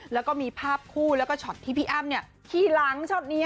แล้วก็มีภาพคู่แล้วก็ช็อตที่พี่อ้ำขี่หลังช็อตนี้